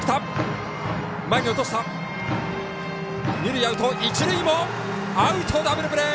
二塁アウト、一塁もアウトダブルプレー！